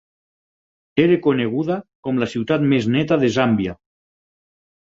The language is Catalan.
Era coneguda com la ciutat més neta de Zambia.